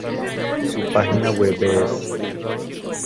Su página web es